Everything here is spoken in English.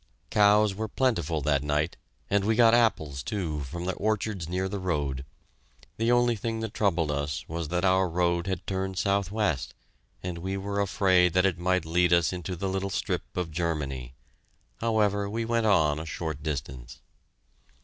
Cows were plentiful that night, and we got apples, too, from the orchards near the road. The only thing that troubled us was that our road had turned southwest, and we were afraid that it might lead us into the little strip of Germany. However, we went on a short distance.